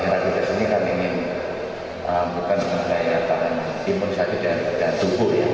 repit tes ini kan ingin bukan mengayatkan timun saja dan tubuh ya